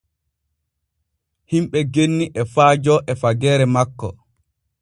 Himɓe genni e faajo e fageere makko.